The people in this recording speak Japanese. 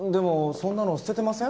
そんなの捨ててません？